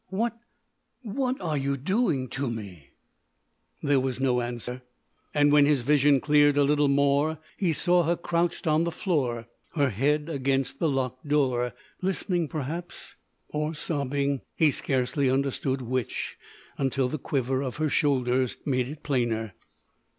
What—what, are you doing to me?" There was no answer. And when his vision cleared a little more he saw her crouched on the floor, her head against the locked door, listening, perhaps—or sobbing—he scarcely understood which until the quiver of her shoulders made it plainer.